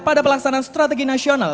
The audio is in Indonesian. pada pelaksanaan strategi nasional